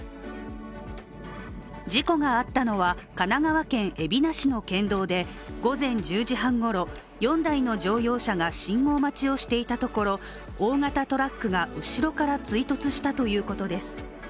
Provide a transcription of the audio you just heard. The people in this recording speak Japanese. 事故があったのは神奈川県海老名市の県道で午前１０時半ごろ、４台の乗用車が信号待ちをしていたところ大型トラックが後ろから追突したということです。